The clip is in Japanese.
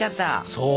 そう。